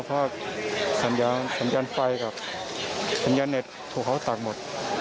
เพราะสัญญาณไฟกับสัญญาเน็ตถูกเขาตัดหมด